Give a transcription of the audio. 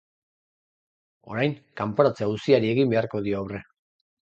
Orain kanporatze auziari egin beharko dio aurre.